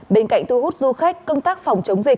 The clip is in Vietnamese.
bên cạnh thu hút du khách công tác phòng chống dịch